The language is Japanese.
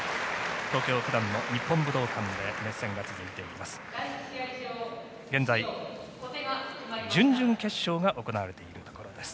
東京・九段の日本武道館で熱戦が続いています。